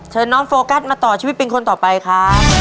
เชิญน้องโฟกัสมาต่อชีวิตเป็นคนต่อไปครับ